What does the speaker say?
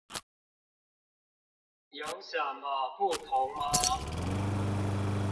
有什麼不同嗎？